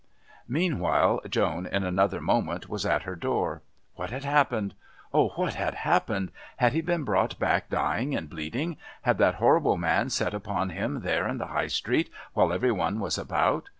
Meanwhile Joan, in another moment, was at her door. What had happened? Oh, what had happened? Had he been brought back dying and bleeding? Had that horrible man set upon him, there in the High Street, while every one was about?